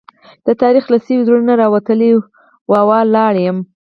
د تاريخ له سوي زړه نه، راوتلې واوي لا يم